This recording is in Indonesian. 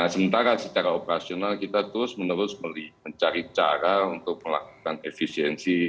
sementara secara operasional kita terus menerus mencari cara untuk melakukan efisiensi